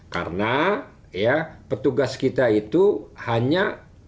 karena petugas kita itu hanya